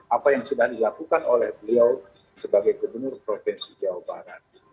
apa yang sudah dilakukan oleh beliau sebagai gubernur provinsi jawa barat